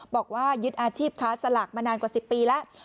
บอกว่ายึดอาชีพค้าสลากมานานกว่า๑๐ปีแล้ว